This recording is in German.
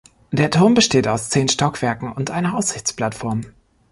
Der Turm besteht aus zehn Stockwerken und einer Aussichtsplattform.